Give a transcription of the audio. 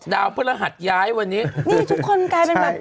พฤหัสย้ายวันนี้นี่ทุกคนกลายเป็นแบบ